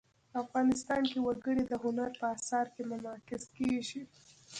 افغانستان کې وګړي د هنر په اثار کې منعکس کېږي.